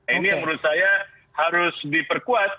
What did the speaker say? ini yang menurut saya harus diperkuat